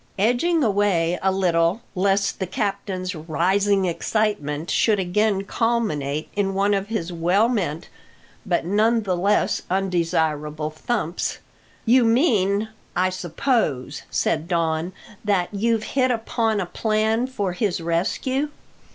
Edging away a little lest the captain's rising excitement should again culminate in one of his well meant, but none the less undesirable thumps, "You mean, I suppose," said Don, "that you've hit upon a plan for his rescue."